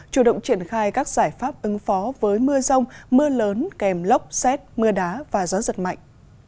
chủ động triển khai các giải pháp ứng phó với mưa rông mưa lớn kèm lốc xét mưa đá và gió giật mạnh